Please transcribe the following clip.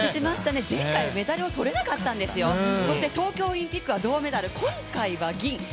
前回メダルとれなかったんですよ、東京オリンピックは銅メダル、今回は銀。